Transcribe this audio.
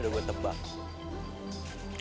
udah gue tebak